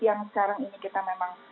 yang sekarang ini kita memang